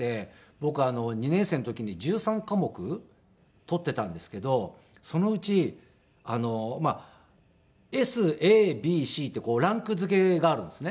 僕２年生の時に１３科目取っていたんですけどそのうちＳＡＢＣってランク付けがあるんですね。